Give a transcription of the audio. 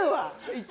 一応。